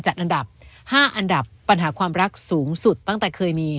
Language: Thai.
จัดอันดับ๕อันดับปัญหาความรักสูงสุดตั้งแต่เคยมี